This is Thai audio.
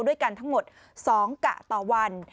ด้วยกันทั้งหมด๒กะต่อวัน